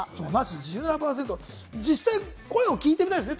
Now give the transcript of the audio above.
実際、声を聞いてみたいですね。